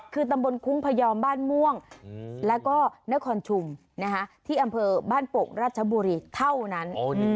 คือตำบลคุ้งพยอมบ้านม่วงแล้วก็นครชุมที่อำเภอบ้านโป่งราชบุรีเท่านั้น